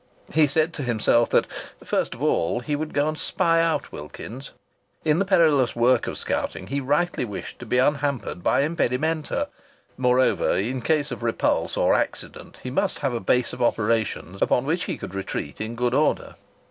He said to himself that, first of all, he would go and spy out Wilkins's; in the perilous work of scouting he rightly wished to be unhampered by impedimenta; moreover, in case of repulse or accident, he must have a base of operations upon which he could retreat in good order.